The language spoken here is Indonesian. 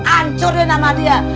ancurin sama dia